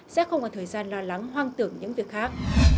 sẽ không còn thời gian lo lắng hoang tưởng những việc khác